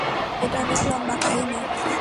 এটা অনেক লম্বা কাহিনী।